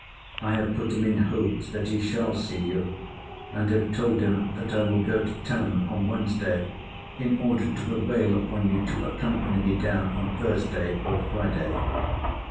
I have put him in hopes that he shall see you; and have told him that I will go to town on Wednesday, in order to prevail upon you to accompany me down on Thursday or Friday.